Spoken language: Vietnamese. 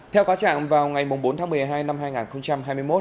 theo cáo trạng vào ngày bốn tháng một mươi hai năm hai nghìn hai mươi một